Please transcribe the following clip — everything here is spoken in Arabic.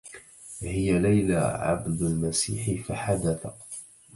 هي ليلى عبد المسيح فحدث